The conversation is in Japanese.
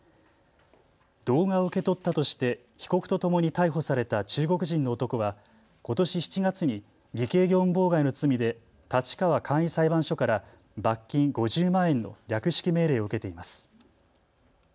動画を受け取ったとして被告とともに逮捕された中国人の男は、ことし７月に偽計業務妨害の罪で立川簡易裁判所から罰金５０万円の略式命令を受けています。